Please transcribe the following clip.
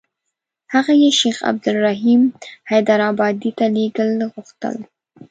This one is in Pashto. هغه یې شیخ عبدالرحیم حیدارآبادي ته لېږل غوښتل.